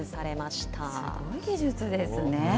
すごい技術ですね。